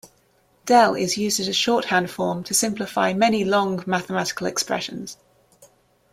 Del is used as a shorthand form to simplify many long mathematical expressions.